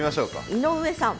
井上さん。